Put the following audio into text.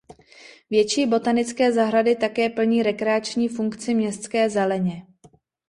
Větší botanické zahrady také plní rekreační funkci městské zeleně.